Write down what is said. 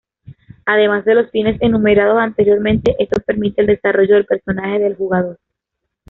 Además de los fines enumerados anteriormente, esto permite el desarrollo del personaje del jugador.